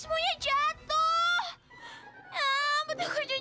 kalian nothin juga